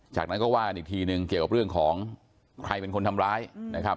จากนั้นก็ว่ากันอีกทีหนึ่งเกี่ยวกับเรื่องของใครเป็นคนทำร้ายนะครับ